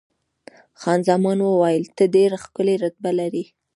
خان زمان وویل، ته ډېره ښکلې رتبه لرې.